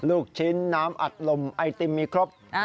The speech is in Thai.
ลูกชิ้นน้ำอัดลมไอติมมีครบ